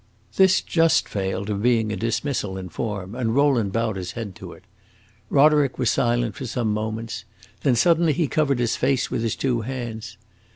This just failed of being a dismissal in form, and Rowland bowed his head to it. Roderick was silent for some moments; then, suddenly, he covered his face with his two hands.